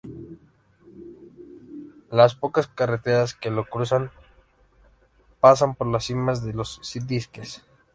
Las pocas carreteras que lo cruzan pasan por las cimas de los diques.